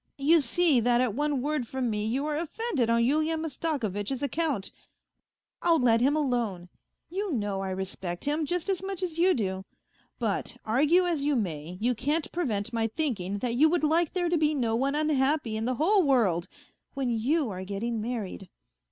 You see that at one word from me you are offended on Yulian Mastakovitch's account.*^ I '11 let him alone. You know I respect him just as much as you do. But argue as you may, you can't prevent my thinking that you would like there to be no one unhappy in the whole world when you are getting married.